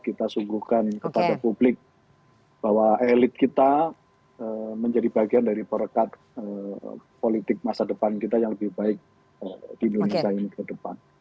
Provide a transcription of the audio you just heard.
kita sungguhkan kepada publik bahwa elit kita menjadi bagian dari perekat politik masa depan kita yang lebih baik di indonesia ini ke depan